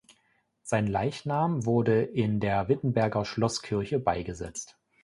Sein Leichnam wurde in der Wittenberger Schlosskirche beigesetzt.